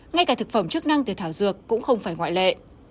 ngay cả thực phẩm chức năng từ thảo dược cũng không phải ngoại lệ